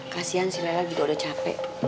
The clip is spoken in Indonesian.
kasian si lela juga udah capek